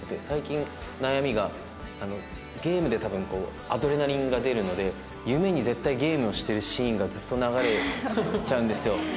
最近悩みがゲームで多分アドレナリンが出るので夢に絶対ゲームをしてるシーンがずっと流れちゃうんですよ。